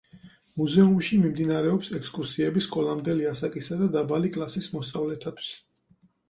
მუზეუმში მიმდინარეობს ექსკურსიები სკოლამდელი ასაკისა და დაბალი კლასის მოსწავლეთათვის.